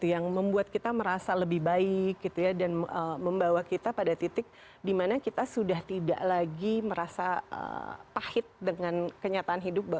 yang membuat kita merasa lebih baik gitu ya dan membawa kita pada titik dimana kita sudah tidak lagi merasa pahit dengan kenyataan hidup